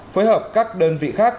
phối hợp các đơn vị khác